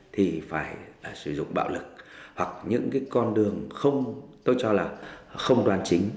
thì phải sử dụng bạo lực hoặc những cái con đường không tôi cho là không đoàn chính